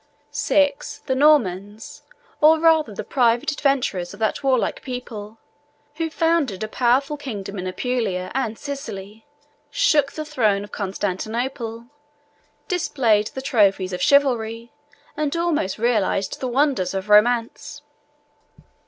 VI. The Normans; or rather the private adventurers of that warlike people, who founded a powerful kingdom in Apulia and Sicily, shook the throne of Constantinople, displayed the trophies of chivalry, and almost realized the wonders of romance.